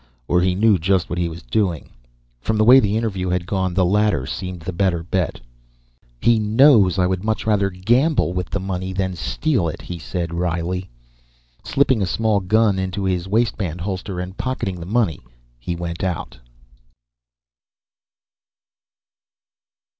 Or he knew just what he was doing. From the way the interview had gone the latter seemed the better bet. "He knows I would much rather gamble with the money than steal it," he said wryly. Slipping a small gun into his waistband holster and pocketing the money he went out.